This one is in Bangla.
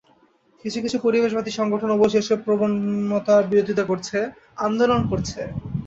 কিছু কিছু পরিবেশবাদী সংগঠন অবশ্য এসব প্রবণতার বিরোধিতা করছে, আন্দোলন করছে।